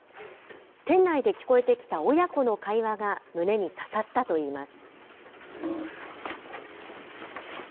店内で聞こえてきた親子の会話が胸に刺さったといいます。